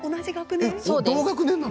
同学年なの？